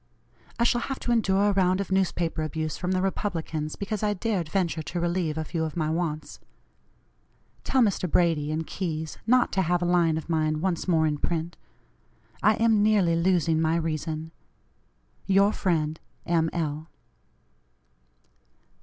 I shall have to endure a round of newspaper abuse from the Republicans because I dared venture to relieve a few of my wants. Tell Mr. Brady and Keyes not to have a line of mine once more in print. I am nearly losing my reason. "Your friend, "M. L."